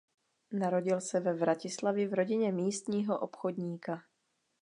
Narodil se ve Vratislavi v rodině místního obchodníka.